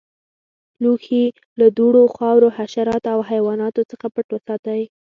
لوښي له دوړو، خاورو، حشراتو او حیواناتو څخه پټ وساتئ.